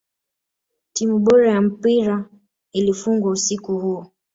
timu bora ya mpira ilifungwa usiku huo